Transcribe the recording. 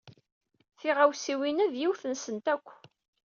Tiɣawsiwin-a d yiwet-nsen akk.